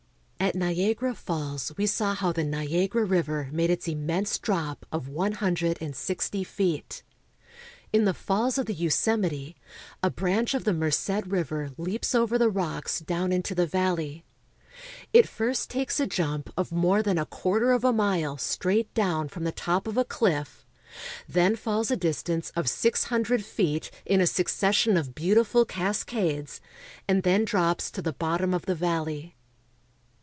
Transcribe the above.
At Niagara Falls we saw how the Niagara River made its immense drop of one hundred and sixty feet. In the falls of the Yosemite a branch of the Merced River leaps over the rocks down into the valley. It first takes a jump of more than a quarter of a mile straight down from the Mirror Lake, Yosemite Valley. top of a cliff, then falls a distance of six hundred feet in a succession of beautiful cascades, and then drops to the bottom of the valley.